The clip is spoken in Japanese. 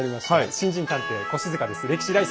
新人探偵越塚です。